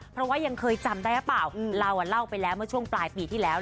เพราะว่ายังเคยจำได้หรือเปล่าเราเล่าไปแล้วเมื่อช่วงปลายปีที่แล้ว